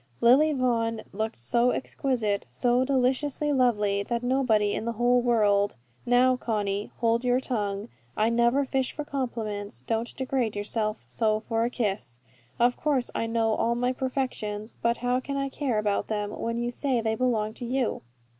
Lily Vaughan looked so exquisite, so deliciously lovely, that nobody in the whole world Now Conny, hold your tongue, I never fish for compliments, don't degrade yourself so for a kiss, of course I know all my perfections, but how can I care about them, when you say they belong to you?